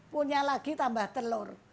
punya lagi tambah telur